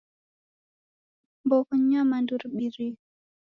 Mbogho ni nyamandu ribirie.